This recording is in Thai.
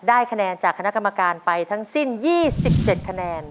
ได้คะแนนจากคณะกรรมการไปทั้งสิ้น๒๗คะแนน